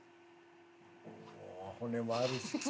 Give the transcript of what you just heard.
もう骨もあるし。